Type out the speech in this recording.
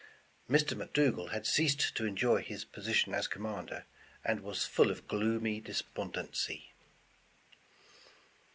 Mr. McDougal had ceased to enjoy his position as commander, and was full of gloomy despondency.